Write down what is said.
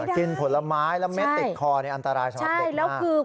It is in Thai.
กินผลไม้แล้วเม็ดติดคออันตรายฉลาดเด็กหน้า